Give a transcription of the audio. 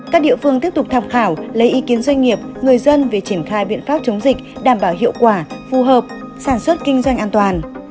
các địa phương tiếp tục tham khảo lấy ý kiến doanh nghiệp người dân về triển khai biện pháp chống dịch đảm bảo hiệu quả phù hợp sản xuất kinh doanh an toàn